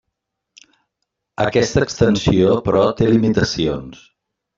Aquesta extensió, però, té limitacions.